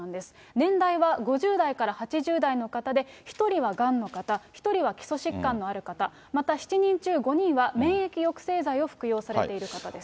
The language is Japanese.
年代は５０代から８０代の方で、１人はがんの方、１人は基礎疾患のある方、また７人中５人は、免疫抑制剤を服用されている方です。